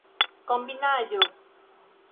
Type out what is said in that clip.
kombinaĵo